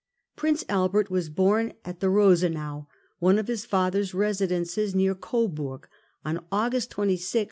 Prince Albert was born at tbe Rosenau, one of bis father's residences, near Coburg, on August 26, 1819.